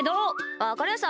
わかりました。